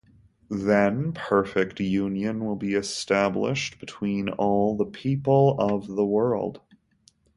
Then perfect union will be established between all the people of the world.